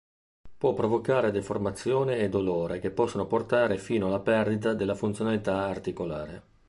Può provocare deformazione e dolore che possono portare fino alla perdita della funzionalità articolare.